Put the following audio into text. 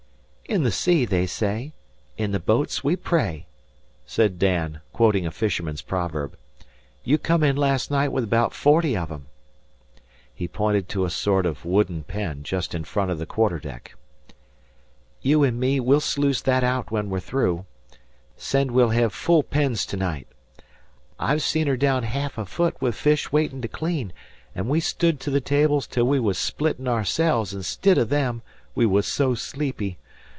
"'In the sea they say, in the boats we pray,'" said Dan, quoting a fisherman's proverb. "You come in last night with 'baout forty of 'em." He pointed to a sort of wooden pen just in front of the quarter deck. "You an' me we'll sluice that out when they're through. 'Send we'll hev full pens to night! I've seen her down ha'af a foot with fish waitin' to clean, an' we stood to the tables till we was splittin' ourselves instid o' them, we was so sleepy.